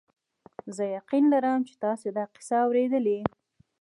زه یقین لرم چې تاسي دا کیسه اورېدلې.